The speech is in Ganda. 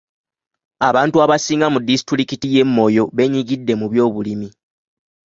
Abantu abasinga mu disitulikiti y'e Moyo beenyigidde mu by'obulimi.